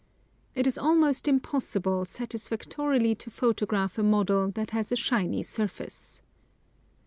It is almost impossible satisfactorily to photograph a model that has a shiny surface.